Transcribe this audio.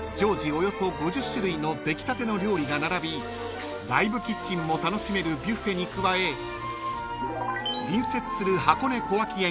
およそ５０種類の出来たての料理が並びライブキッチンも楽しめるビュッフェに加え隣接する箱根小涌園